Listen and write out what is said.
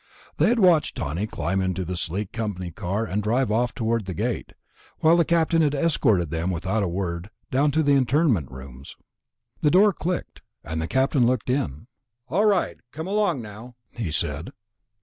They had watched Tawney climb into the sleek company car and drive off toward the gate, while the Captain had escorted them without a word down to the internment rooms. The door clicked, and the Captain looked in. "All right, come along now," he said.